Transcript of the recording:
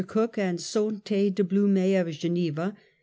Cook and Saunter de Bloumey, of Geneva ; M.